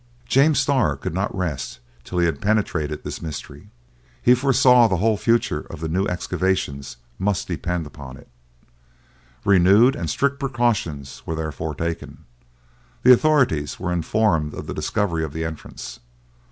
James Starr could not rest till he had penetrated this mystery. He foresaw that the whole future of the new excavations must depend upon it. Renewed and strict precautions were therefore taken. The authorities were informed of the discovery of the entrance.